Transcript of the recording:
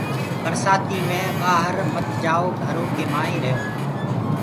برسآتي مينٚ ڀآهر مت جآيو گھرو ڪي مآئينٚ رهيو۔